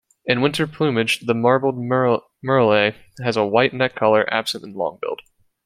In winter plumage, the Marbled murrelet has a white neck collar, absent in Long-billed.